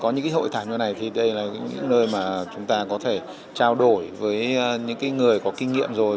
những nơi mà chúng ta có thể trao đổi với những người có kinh nghiệm rồi